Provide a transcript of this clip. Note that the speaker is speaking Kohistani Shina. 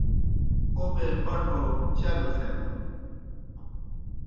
اوْبے پٹھو چاء گہ تھینَن۔